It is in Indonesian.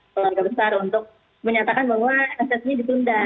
keluarga besar untuk menyatakan bahwa nesesnya ditunda